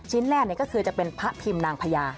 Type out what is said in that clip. ชิ้นแรกเนี่ยก็คือจะเป็นพระพิมพ์นางพระยา